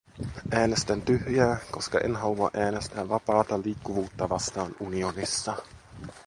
Äänestän tyhjää, koska en halua äänestää vapaata liikkuvuutta vastaan unionissa.